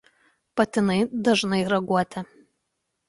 Patinai dažnai raguoti.